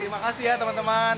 terima kasih ya teman teman